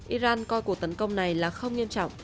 iran coi cuộc tấn công này là không nghiêm trọng